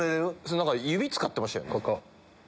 指使ってましたよね？